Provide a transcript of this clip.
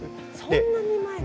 そんなに前から。